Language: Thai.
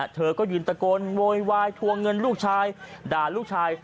เธอก็ยืนตะโกนโวยวายทวงเงินลูกชายด่าลูกชาย